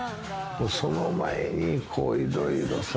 その前にいろいろさ、